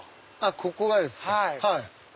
ここがですか。